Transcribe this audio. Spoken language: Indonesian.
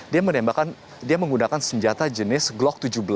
dia menembakkan dia menggunakan senjata jenis glock tujuh belas